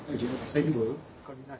大丈夫？